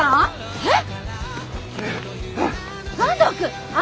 えっ！